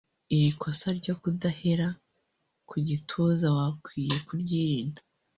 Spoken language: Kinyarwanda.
iri kosa ryo kudahera ku gituza wakwiye kuryirinda